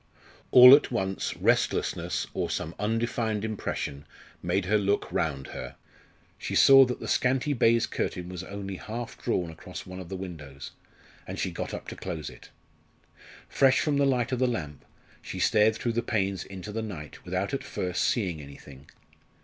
All at once restlessness, or some undefined impression, made her look round her. She saw that the scanty baize curtain was only half drawn across one of the windows, and she got up to close it. Fresh from the light of the lamp, she stared through the panes into the night without at first seeing anything.